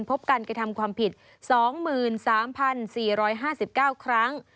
พบการกระทำความผิด๒๓๔๕๙ครั้ง